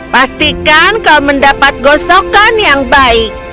pastikan kau mendapat gosokan yang baik